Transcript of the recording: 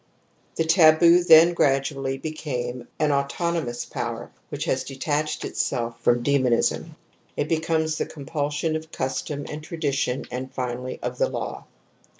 The taboo then gradually became an auto nomous power which has detached itself from demonism. It becomes the compulsion of custom and tradition and finally of the law.